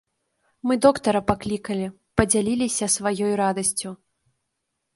Мы доктара паклікалі, падзяліліся сваёй радасцю.